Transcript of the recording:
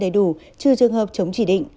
đầy đủ trừ trường hợp chống chỉ định